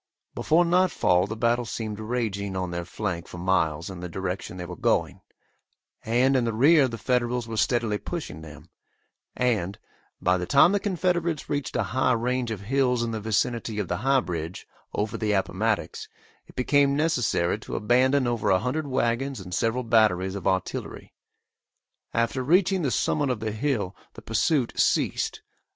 Before nightfall the battle seemed raging on their flank for miles in the direction they were going, and in the rear the Federals were steadily pushing them, and, by the time the Confederates reached a high range of hills in the vicinity of the "High Bridge," over the Appomattox, it became necessary to abandon over a hundred wagons and several batteries of artillery. After reaching the summit of the hill, the pursuit ceased.